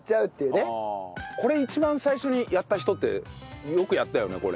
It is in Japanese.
これ一番最初にやった人ってよくやったよね。